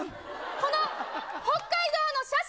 この北海道の写真？